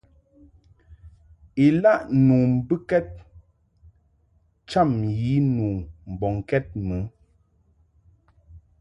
Ilaʼ nu mbɨkɛd cham yi nu mbɔŋkɛd mɨ.